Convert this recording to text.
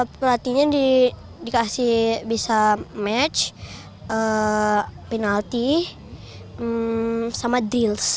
pelatihnya dikasih bisa match penalti sama deals